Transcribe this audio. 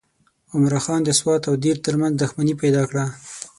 عمرا خان د سوات او دیر ترمنځ دښمني پیدا کړه.